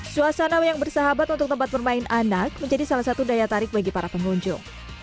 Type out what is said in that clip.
suasana yang bersahabat untuk tempat bermain anak menjadi salah satu daya tarik bagi para pengunjung